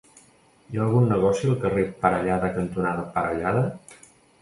Hi ha algun negoci al carrer Parellada cantonada Parellada?